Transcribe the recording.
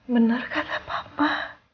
bener kata papa